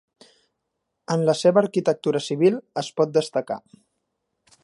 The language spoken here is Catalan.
En la seva arquitectura civil es pot destacar.